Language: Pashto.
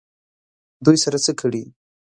دوی سره څه کړي؟